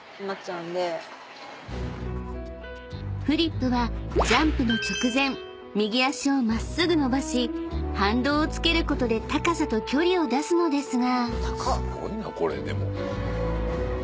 ［フリップはジャンプの直前右脚を真っすぐ伸ばし反動をつけることで高さと距離を出すのですが］